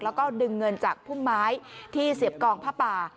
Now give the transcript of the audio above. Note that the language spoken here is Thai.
แล้วก็ดึงเงินจากพุ่มไม้ที่เสียบกองผ้าป่า